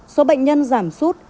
số bệnh nhân giảm sút